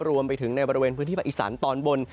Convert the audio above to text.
รวมไปถึงในบริเวณพื้นที่ภาคอีสานตอนบน